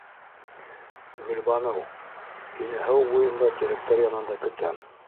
«Гөлбаныу, һине һыу буйында, тирәктәр янында көтәм».